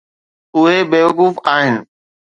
اهي بيوقوف آهن.